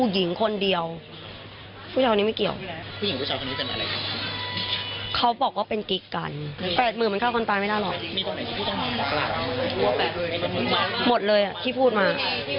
หมดเลยที่พูดมา